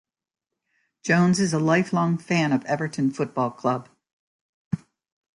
Jones is a lifelong fan of Everton Football Club.